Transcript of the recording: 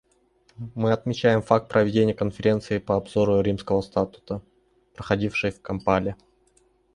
Мы отмечаем факт проведения Конференции по обзору Римского статута, проходившей в Кампале.